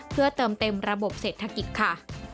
เพื่อเติมเต็มระบบเศรษฐกิจค่ะ